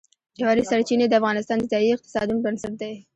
ژورې سرچینې د افغانستان د ځایي اقتصادونو بنسټ دی.